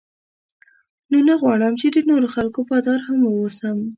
نو نه غواړم چې د نورو خلکو بادار هم واوسم.